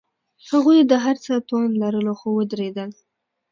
هغوی د هر څه توان لرلو، خو ودریدل.